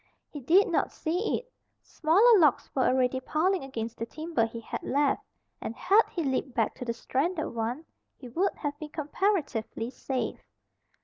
He did not see it. Smaller logs were already piling against the timber he had left, and had he leaped back to the stranded one he would have been comparatively safe.